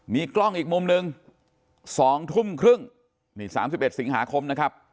มีกล้องอีกมุมหนึ่ง๒ทุ่มครึ่งนี่๓๑สิงหาคมนะครับ